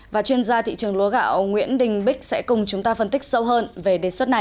và chuyên gia thị trường lúa gạo nguyễn đình bích sẽ cùng chúng ta phân tích sâu hơn về đề xuất này